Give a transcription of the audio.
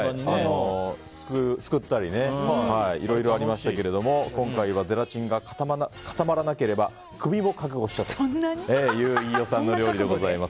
すくったりいろいろありましたけど今回はゼラチンが固まらなければクビを覚悟したという飯尾さんの料理でございます。